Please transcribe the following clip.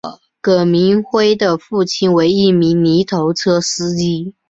葛民辉的父亲为一名泥头车司机。